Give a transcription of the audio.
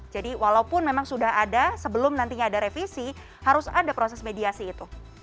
jadi walaupun memang sudah ada sebelum nantinya ada revisi harus ada proses mediasi itu